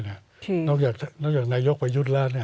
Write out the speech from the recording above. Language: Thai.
นอกอย่างนายกิโลกอันประยุทธ์แล้วเนี่ย